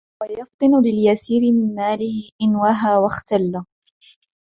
وَيَفْطِنُ لِلْيَسِيرِ مِنْ مَالِهِ إنْ وَهَى وَاخْتَلَّ